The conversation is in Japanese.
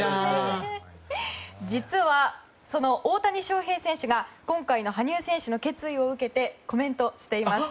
実は、その大谷翔平選手が今回の羽生選手の決意を受けてコメントしています。